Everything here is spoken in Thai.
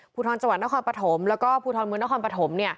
ภูทรจังหวัดนครปฐมแล้วก็ภูทรเมืองนครปฐม